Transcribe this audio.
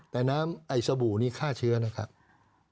แต่น้ำไอ้สบู่นี้ฆ่าเชื้อนะครับ